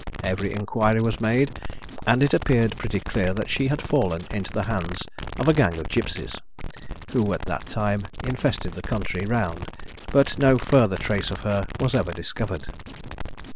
Every inquiry was made, and it appeared pretty clear that she had fallen into the hands of a gang of gipsies, who at that time infested the country round, but no further trace of her was ever after discovered.